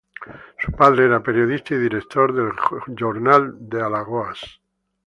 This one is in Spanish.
Su padre era periodista y director del "Jornal de Alagoas".